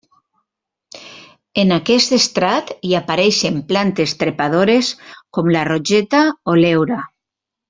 En aquest estrat hi apareixen plantes trepadores com la rogeta o l'heura.